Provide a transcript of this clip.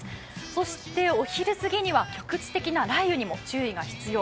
そして、お昼すぎには局地的な雷雨にも注意が必要。